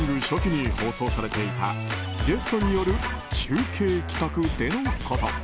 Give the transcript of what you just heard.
初期に放送されていたゲストによる中継企画でのこと。